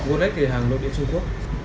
vô đếch thì hàng lột điện trung quốc